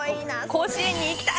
甲子園に行きたい！